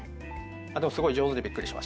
でもすごい上手でびっくりしました。